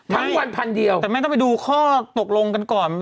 วันพันเดียวแต่แม่ต้องไปดูข้อตกลงกันก่อน